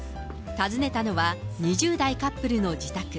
訪ねたのは、２０代カップルの自宅。